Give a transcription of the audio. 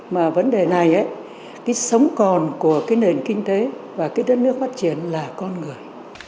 mà vấn đề này cái sống còn của cái nền kinh tế và cái đất nước phát triển là con người